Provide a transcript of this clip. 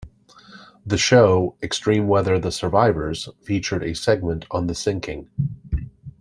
The show Extreme Weather: The Survivors featured a segment on the sinking.